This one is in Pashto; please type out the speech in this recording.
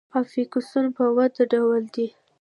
افیکسونه پر وده ډوله دي.